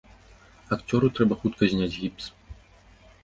Акцёру трэба хутка зняць гіпс.